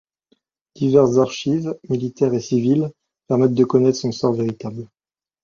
Diverses archives, militaires et civiles, permettent de connaître son sort véritable.